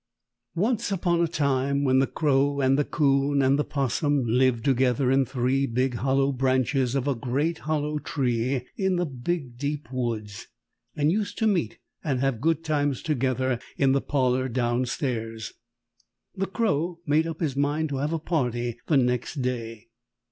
] Once upon a time when the Crow and the 'Coon and the 'Possum lived together in three big hollow branches of a great Hollow Tree in the Big Deep Woods, and used to meet and have good times together in the parlor down stairs, the Crow made up his mind to have a party next day.